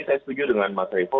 saya setuju dengan mas revo